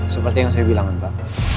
seperti yang saya bilang pak